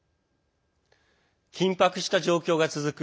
緊迫した状況が続く